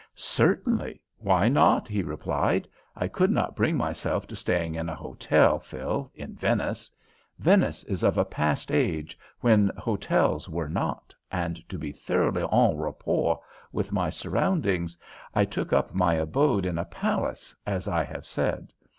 "Certainly. Why not?" he replied. "I could not bring myself to staying in a hotel, Phil, in Venice. Venice is of a past age, when hotels were not, and to be thoroughly en rapport with my surroundings, I took up my abode in a palace, as I have said.